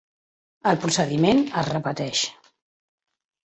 El procediment es repeteix.